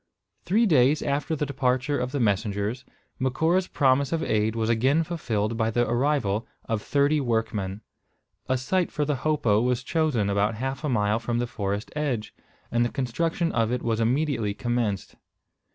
Three days after the departure of the messengers, Macora's promise of aid was again fulfilled by the arrival of thirty workmen. A site for the hopo was chosen about half a mile from the forest edge, and the construction of it was immediately commenced.